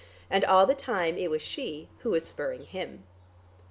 And all the time, it was she who was spurring him.